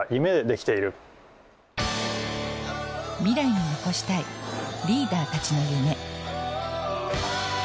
未来に残したいリーダーたちの夢。